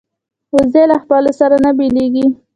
وزې له خپلو سره نه بیلېږي